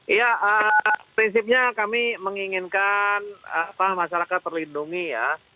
iya prinsipnya kami menginginkan masyarakat terlindungi ya